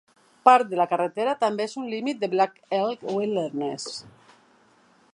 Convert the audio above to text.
Part de la carretera també és un límit del Black Elk Wilderness.